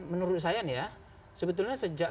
menurut saya nih ya sebetulnya sejak